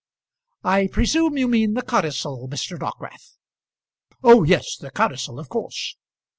I presume you mean the codicil, Mr. Dockwrath?" "Oh yes! the codicil of course."